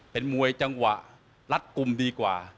เป็นมวยจังหวะรัดกลุ่มดีกว่า